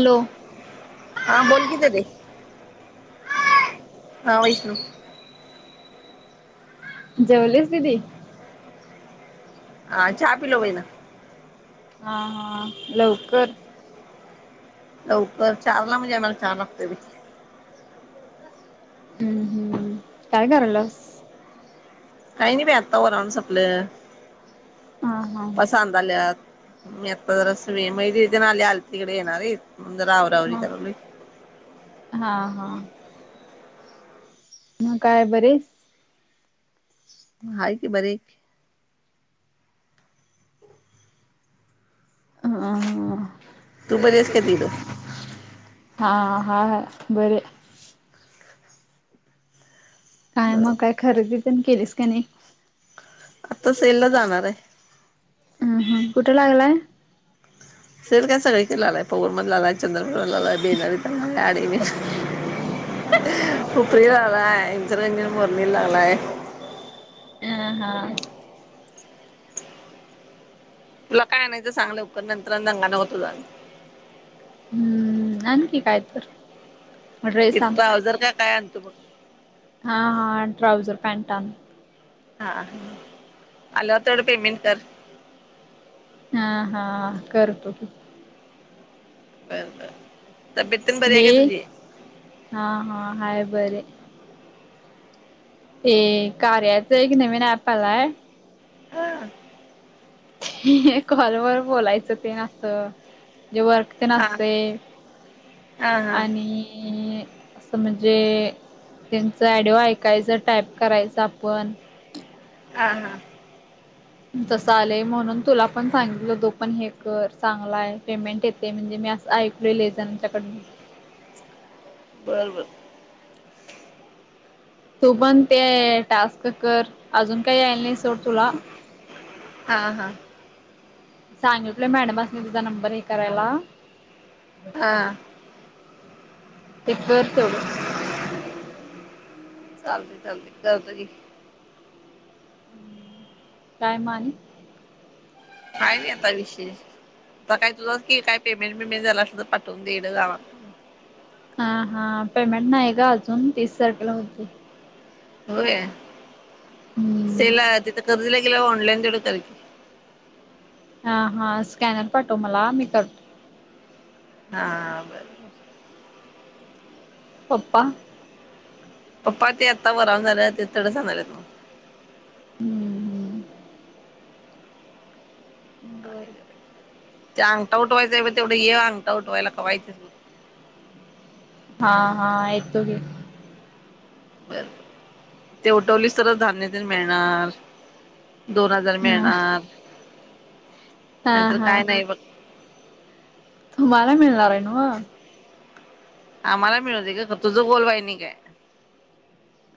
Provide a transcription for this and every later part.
Hello. हा. बोल कि दिदे. हा. वैष्णू. जेवलि स, दिदी. हा. चहा पिलो बाई ना. हां हां लवकर. लवकर चारला म्हणजे आम्हाला चहा लागतोय बई. हम्म हम्म, काय करायलास. काही नाही बई आत्ता वरण सपल, हा हा पापा संध्याल्यात. मी आत्ता जरास मी महि दिदी तेन आल्यती कड येणार येत, म्हणून जरा आवरा आवरी हा करायलोय. हा हा. म काय बरी हाईस. हाय की, बरी हाईकी. हम्म, तू बरी आहेस का तिकडं [unintelligible] हा हा बर. काय मग काय खरेदी तेन केलीस का नाही. आता सेलला जाणार आहे. हम् हम कुठ लागलाय? सेल काय सगळी कड लागलाय पवनमध्ये लागलाय, चंद्रप्रभा मध्ये लागलाय [unintelligible] हुपरीला लागलाय इचलकरंजीत मोरणीला लागलाय. अ हा. तुला काय आणायचं सांग लवकर नंतर आणि दंगा नको तुझा. हम्म आण की काय तर. ड्रेस इत आण ट्राउझर का काय आणतो बघ. हा हा ट्राऊझर पॅनट आण. हा, आल्यावर तर पेमेंट कर. हा हा करतो की. बर बर, तब्यत तेने बीरी हाय हे का तुझी? हा हा हाय बरी हाय. ते कार्याच एक नवीन ऍप आलाय. हा. कॉलवर बोलायचं तेन असं, जे वर्क तेन हा असतय, हा हा आणि म्हणजे, त्यांच आडिओ ऐकायचं टाईप करायचं आपण. हा हा. तसं आलय म्हणून तुला पण सांगितलो तु पण हे कर चांगला आहे पेमेंट ये ते म्हणजे मी असं ऐकलो लई जनाच्याकडन. बरं बरं. तू पण ते टास्क कर अजून काही यायला नाही सोड तुला. हा हा. सांगितलोय मॅडमसनी तुझा नंबर हे करायला. हा ते कर तेवढ. चालतय चालतय करतो घे. काय म आणि? काय नाही आता विशेष, आता काय तुझं की काय पेमेंट बेमेंट झालं असल तर पाठवून दे ईकड गावा हा हा पेमेंट नाही ग अजून तीस तारखेला होतय. होय, हम्म सेला तिथं कर्जला गेल्यावर ऑनलाईन देतो तरी. हा हा स्कॅनर पाठव मला मी करतो. हा बर. पप्पा. पप्पा ते आता वरन झालंय तडं सांजायल्यात नव. हम्म हम्म. बर बर. ते अंगठा उठवायंच ब तेवढे ये अंगटा उठवायला कवा येत्यास बग. हा हा येतो घे. बर ते उठवलीस तरच धान्य दे मिळणार दोन हजार हा मिळणार हा नाहीतर हा काय नाही बघ तुम्हाला मिळणार आहे न्हव आम्हाला मिळूदे ग तुझ बोल वाहिनी काय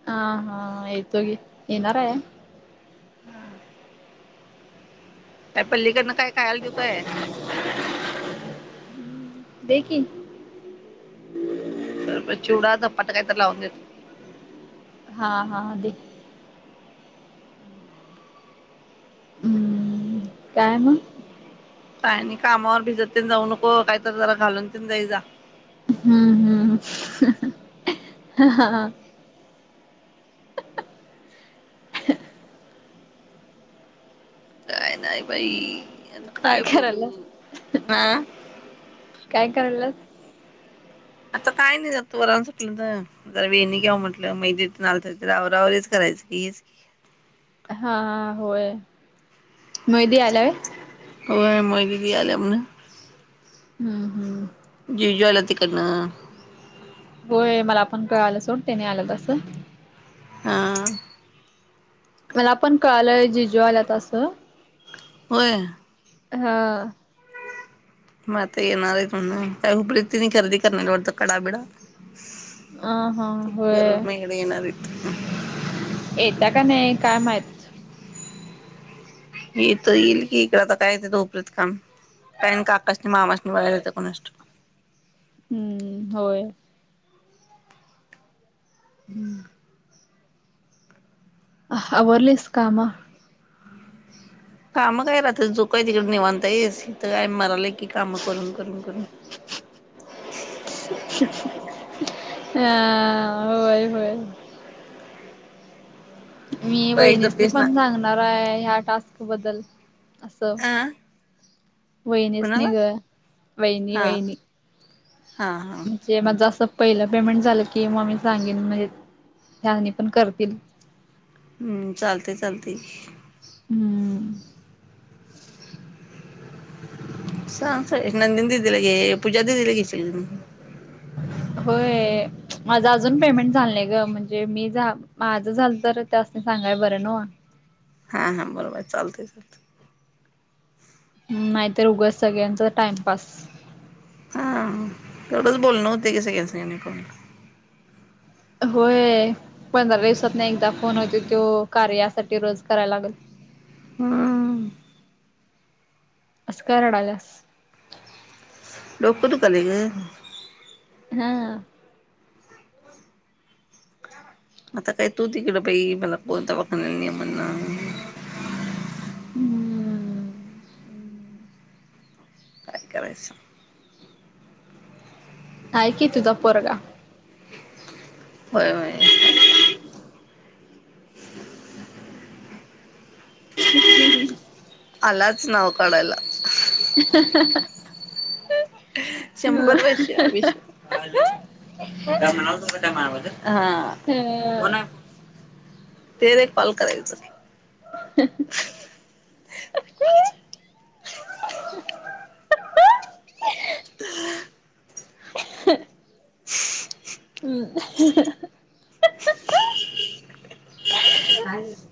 हा हा येतो घे येणार आहे हम [inaudible] का पल्लीकडनं काय ख्यायल घे काय घे की चुडा चपात्या काय तर लावून देतो हा हा दे हम्म [inaudible] हम्म काय मग का आणि कामावर भिजत ते जाऊ नको काहीत जरा घालून ते जाई जा हम्म हम्म ह हा काय नाही बाई आता काय करल्यास बोलू हा. काय करल्यास आता काय नाही जात बर सुटलं तर जर वेणी कव म्हटलं मग जिथलत रावरावरीच करायचं की हेच हा होय महदी आलाय हो मय दद याले म्हना हम् हम् जिजू आल्यात तिकडून होय मला आपण कळलं सोड त्यांनी आल्यात असं हा मला पण कळलंय जिजू आल्यात तसं होय हा म ते येणार म्हण तर हुपरीत त्यांनी खरेदी करणार आहेत म्हण कडा बिडा अ हा त होय करोड मेकडे येणार इथ येत्या का नाही काय माहित मी इ तर येईल की इकडे आता काय येत धोपरत काम काय काकास नाही मामास नाही बायायला येते कोणाष्ट हम्म होय हम् [unintelligible] आवर्लिस कामं काम काय राहत जो काही तिकडे निवांता येसथ काय मारला की काम करून करून करून [unintelligible] हा होय होय मी पैक वाहिनिसनी धुतेस ना पण सांगणार आहे ह्या टास्क बद्दल असं अ वहिणीच कुणाला निघ वहिणी हा वहिनी हा हा. जे माझं असं पहिलं पेमेंट झालं की मग मी सांगेन म्हणजे त्यानी पण करतील. हम्म, चालतंय चालतंय की. हम्. सांग सगळ्यासनी नंदिनी दी ला घे पूजा दीदीला घेशील कणी. होय, माझं अजून पेमेंट झालं नाही ग म्हणजे मी जा माझं झालं तर त्यासनी सांगाय बरं न्हवं. हां हां, बरोबर आहे चालतंय चालतंय. नाहीतर उघच सगळ्यांच टाइमपास. हा, तेवढंच बोलणं होतंय कणी [unintelligible] [unintelligible] होय, पंधरा दिवसातनं एकदा फोन होतोय त्यो कार्यासाठी रोज करायला लागल. हम. असं का रडायल्यास? डोकं दुखायलंय ग. हा. आता काय तू तिकडं बाई, मला कोण दवाखन्यात ने म्हणणार? हम्म. काय करायचं? आहे की तुझा पोरगा. होय होय. [unintelligible] [unintelligible] आलाच नाव काढायला. आ हा हा हा हा. शंभर वर्ष आयुष्य आहे. काय आलं, काय म्हणायलातासा काय माझ्याबद्दल? हम्. होणा. ते रे कॉल करायचं. [inaudible] [unintelligible] ह [unintelligible] [inaudible] हम्.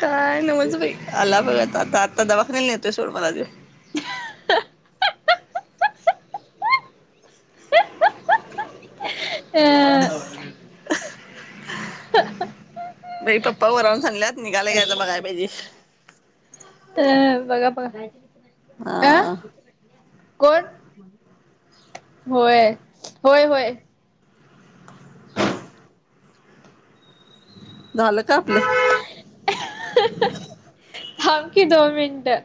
काय न्हवंच बाई. आला बघ आता, आता आत्ता दवाखान्याला नन्हेतोय सोड मला ते. ह. अह ह बाई पप्पा वरवून सांगल्यात निघाला घयं बघाय पाहिजे. ते बघा बघा. अ. हा कोण? होय. होय होय. [inaudible] झालं का आपलं? थांब की दोन मिनिटं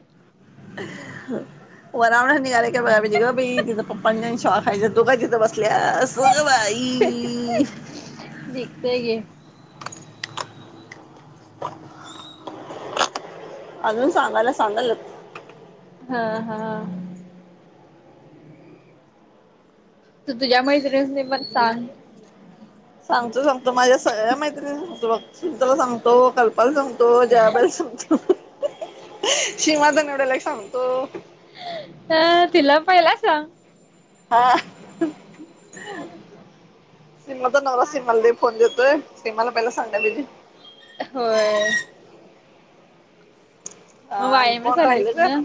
व रावणा नि गले. बा म्हणजे ग बाई तिचां पप्पांच्या शॉखाय तु का तिथं बसल्यास ग बाई. दिखते घे. [unintelligible] अजून सांगायला सांगा हा हा. तू तुझ्या मैत्रिणीसनी पण सांग. सांगतो सांगतो माझ्या सगळ्या मैत्रिणीसनी सांगतो बघ [unintelligible] ला सांगतो कल् ल संगतो जबला संगतो शीमात एवड्याला सांगतो. अ, तिला पहिला सांग. हा सम तर नवरा सिमल दे फोन देत ते मला पहिला सांगा ब हो. ह मग आणि वायामला कोण राहिल चाललीस ग म्हण.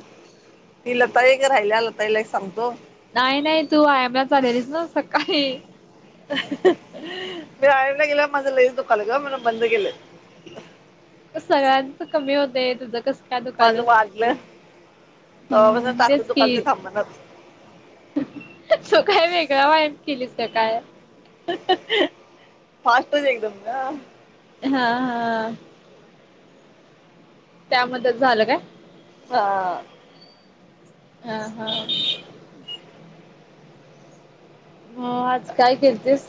ती लता एक ग राहिली लताईला एक सांगतो नाही नाही तू आयामला चाललेलीस ना सकाळी मी आईला गेलं माझं लई दुकान ग म्हण बंद गेलं. सगळ्यांच कमी होतय तुझं कस माझं वाढलं तर म्हणज हम्म तात दुकान ते थांबणार. तो काय वेगळां वाईब केलीस काय? फास्टच एकदम ना हा हा. त्यामध्ये झालं काय? हा. हा हा. हा आज काय केलतीस.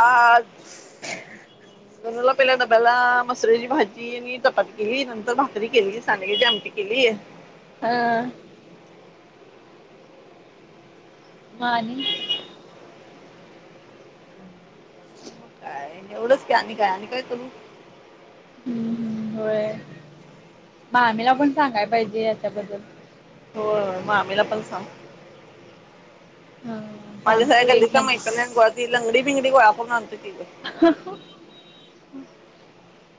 आज. [inaudible] धनुला पहिला डब्याला मसुरा ची भाजी ती आणि चपाती केली नंतर भाकरी केली सांडगेची आमटी केली. हा. म आणि. काय एवढंच की आणि काय आणि काय करू. हम्म् होय, मामीला पण सांगाय पाहिजे याच्याबद्दल. हो मामीला पण सांग. हा. माझ्या सगळ्या सांगतो की गल्लीतले नंतर. मैत्रिणी [unintelligible] लंगडी बिंगडी गोळा करून आणतो की ग. [inaudible]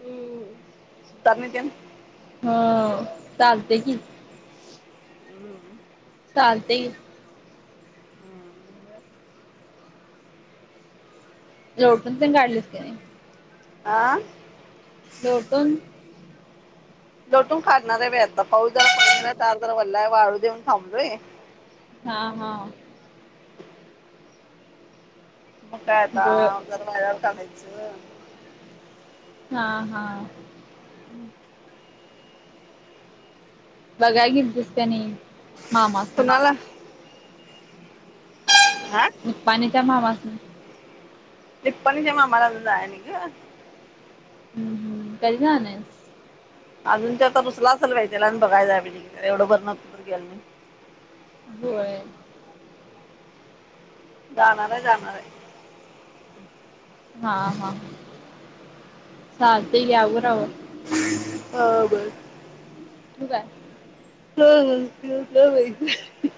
हम्म. [unintelligible] हा चालते की. चालते ये. हम. लोटून तेन काढलीस की नाही. आ. लोटून. लटून काढणार हाय बाई आता पाऊस जरा पडून दार जरा वल्लाय वाळू देऊन थांबलोय. हा हा. मग काय आता बर जरा वाळल्यावर काढायचं. हा हा. बघा काय गेलतीस क नाही मामास कुणाला आ. निपाणीच्या मामा. निपाणीच्या मामाला अजून जाया नाही ग. हम् हम् कधी जाणार. अजून त्या तर रुसला असेल बई त्याला आणि बघायचाय पाहिजे की [unintelligible] होय. जाणार आहे जाणार आहे. हा हा चालतंय घे आवर आवर. ब ब. ठेऊ काय? [unintelligible]